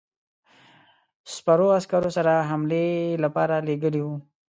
سپرو عسکرو سره حملې لپاره لېږلی وو.